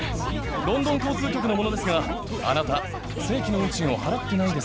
ロンドン交通局の者ですが、あなた、正規の運賃を払ってない